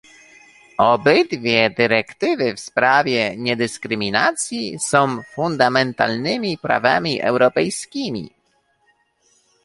Obydwie dyrektywy w sprawie niedyskryminacji są fundamentalnymi prawami europejskimi